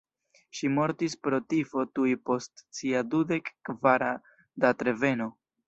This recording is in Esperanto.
Ŝi mortis pro tifo tuj post sia dudek kvara datreveno.